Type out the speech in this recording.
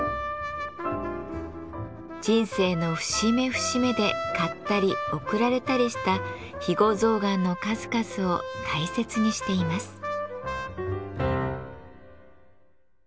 人生の節目節目で買ったり贈られたりした肥後象がんの数々を大切にしています。